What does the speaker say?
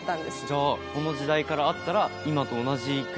じゃあこの時代からあったら。